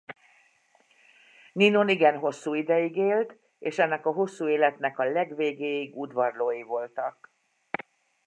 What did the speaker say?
Ninon igen hosszú ideig élt és ennek a hosszú életnek a legvégéig udvarlói voltak.